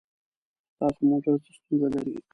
ستاسو موټر څه ستونزه لري؟